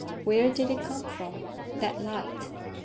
Where did it come from, that light?